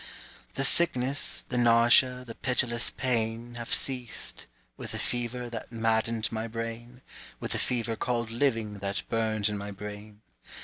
The sickness, the nausea, The pitiless pain, Have ceased, with the fever That maddened my brain, With the fever called "Living" That burned in my brain.